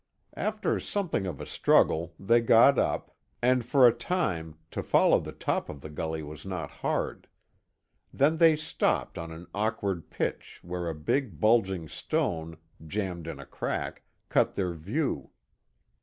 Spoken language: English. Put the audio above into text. After something of a struggle, they got up, and for a time to follow the top of the gully was not hard. Then they stopped on an awkward pitch where a big bulging stone, jambed in a crack, cut their view.